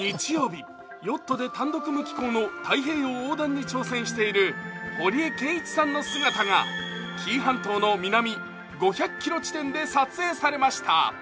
日曜日、ヨットで単独無寄港で太平洋横断している堀江謙一さんの姿が紀伊半島の南５００ｋｍ地点で撮影されました。